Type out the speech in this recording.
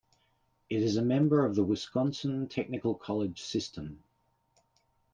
It is a member of the Wisconsin Technical College System.